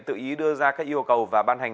tự ý đưa ra các yêu cầu và ban hành